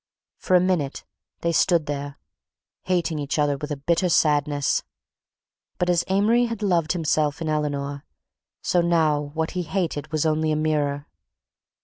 For a minute they stood there, hating each other with a bitter sadness. But as Amory had loved himself in Eleanor, so now what he hated was only a mirror.